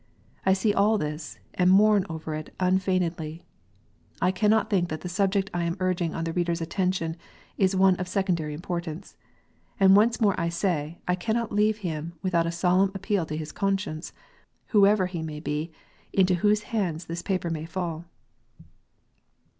I see all this, and mourn over it unf eignedly. I cannot think that the subject I am urging on the reader s attention is one of secondary importance. And once more I say, I cannot leave him without a solemn appeal to his conscience, whoever he may be, into whose hands this paper may fall.